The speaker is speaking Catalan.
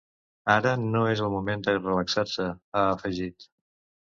Ara no és el moment de relaxar-se, ha afegit.